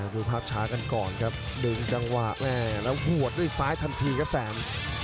ดูภาพช้ากันก่อนครับดึงจังหวะแม่แล้วหัวด้วยซ้ายทันทีครับแสน